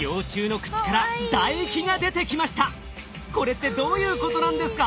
これってどういうことなんですか？